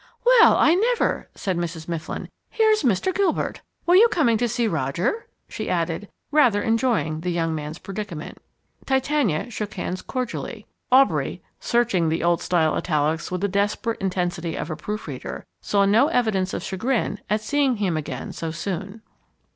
"Well, I never!" said Mrs. Mifflin. "Here's Mr. Gilbert. Were you coming to see Roger?" she added, rather enjoying the young man's predicament. Titania shook hands cordially. Aubrey, searching the old style italics with the desperate intensity of a proof reader, saw no evidence of chagrin at seeing him again so soon.